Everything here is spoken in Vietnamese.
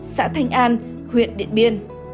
xã thanh an huyện điện biên